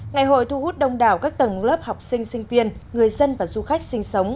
ngày hội thu hút đông đảo các tầng lớp học sinh sinh viên người dân và du khách sinh sống